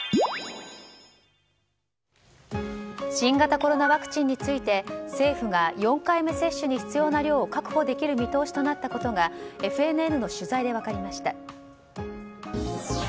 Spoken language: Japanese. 新型コロナワクチンについて政府が４回目接種に必要な量を確保できる見通しとなったことがＦＮＮの取材で分かりました。